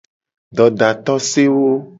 Dodatosewo.